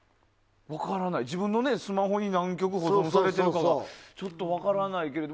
自分のスマホに何曲保存されているかが分からないけど。